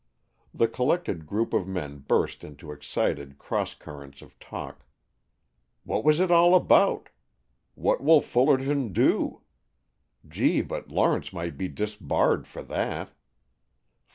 The collected group of men burst into excited cross currents of talk. "What was it all about?" "What will Fullerton do?" "Gee, but Lawrence might be disbarred for that."